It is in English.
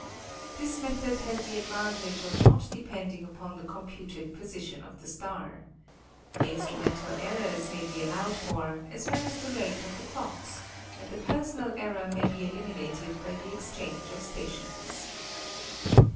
This method has the advantage of not depending upon the computed position of the star. The instru mental errors may be allowed for, as well as the rate of the clocks, and the personal error may be eliminated by the exchange of stations.